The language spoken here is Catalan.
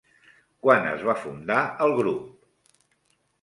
Quan es va fundar el grup?